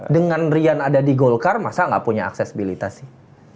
dengan rian ada di golkar masa nggak punya aksesibilitas sih